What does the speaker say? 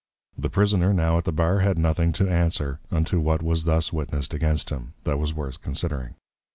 _ The Prisoner now at the Bar had nothing to answer, unto what was thus witnessed against him, that was worth considering.